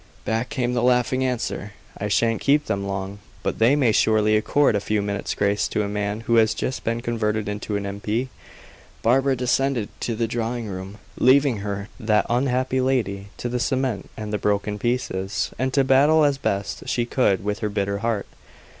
Back came the laughing answer. "I shan't keep them long. But they may surely accord a few minutes' grace to a man who has just been converted into an M. P." Barbara descended to the drawing room, leaving her, that unhappy lady, to the cement and the broken pieces, and to battle as best she could with her bitter heart.